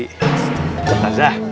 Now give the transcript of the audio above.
teh teh taza